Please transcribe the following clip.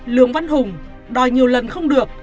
lương văn hùng đòi nhiều lần không được